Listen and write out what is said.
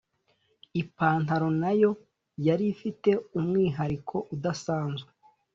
Ipantaro nayo yari ifite umwihariko udasanzwe